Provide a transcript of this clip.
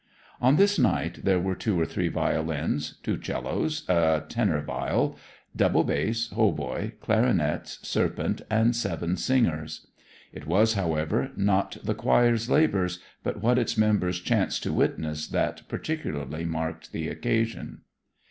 On this night there were two or three violins, two 'cellos, a tenor viol, double bass, hautboy, clarionets, serpent, and seven singers. It was, however, not the choir's labours, but what its members chanced to witness, that particularly marked the occasion.